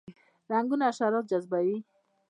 رنګونه حشرات جذبوي